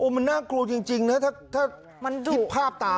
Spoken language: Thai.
มันน่ากลัวจริงนะ